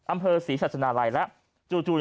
อำเภอสีสัชนาลัยแล้วจู่